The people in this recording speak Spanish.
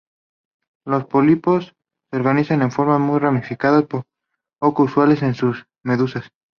Los pólipos se organizan en formas muy ramificadas, poco usuales en las medusas.